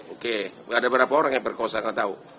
oke ada berapa orang yang perkosa gak tahu